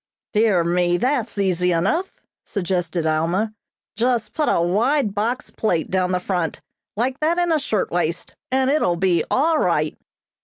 "Dear me, that's easy enough," suggested Alma, "just put a wide box plait down the front, like that in a shirtwaist, and it will be all right."